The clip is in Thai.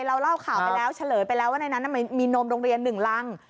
เราเล่าข่าวไปแล้วเฉลยไปแล้วว่าในนั้นมีโนมโรงเรียนหนึ่งลัง